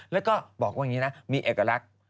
แล้วก็บอกว่างนี้นะมีอักลักษณ์